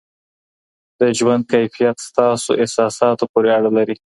د ژوند کیفیت ستاسو احساساتو پورې اړه لري.